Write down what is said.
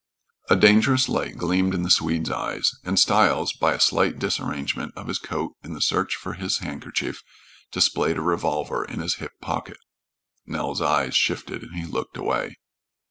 A dangerous light gleamed in the Swede's eyes, and Stiles, by a slight disarrangement of his coat in the search for his handkerchief, displayed a revolver in his hip pocket. Nels' eyes shifted, and he looked away.